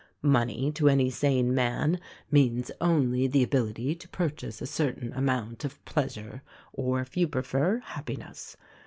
Money, to any sane man, means only the ability to purchase a certain amount of pleasure, or, if you prefer, happiness.